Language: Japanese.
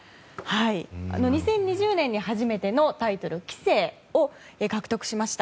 ２０２０年に初めてのタイトル、棋聖を獲得しました。